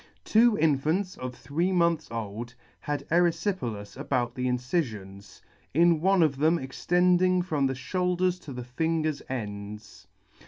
Two infants of three months old had eryfjpelas about the incifions, in one of them extending from the fhoulders to the fingers' ends.